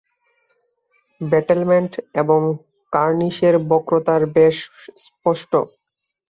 Battlement এবং কার্নিশের বক্রতা বেশ স্পষ্ট।